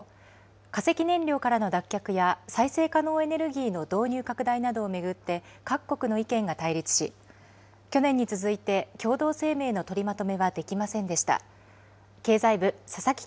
化石燃料からの脱却や再生可能エネルギーの導入拡大などを巡って、各国の意見が対立し、去年に続いて共同声明の取りまとめはできませんでした。